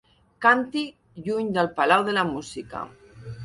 Càntir lluny del Palau de la Música.